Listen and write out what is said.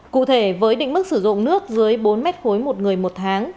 cụ thể với định mức sử dụng nước dưới bốn mét khối một người một tháng